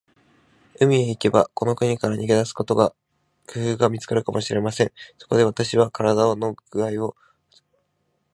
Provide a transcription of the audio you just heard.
海へ行けば、この国から逃げ出す工夫が見つかるかもしれません。そこで、私は身体工合の悪いことを訴えて、ひとつ海岸へ行って